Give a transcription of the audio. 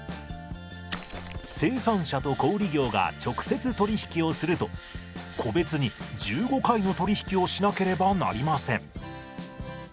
生産者と小売業が直接取り引きをすると個別に１５回の取り引きをしなければなりません。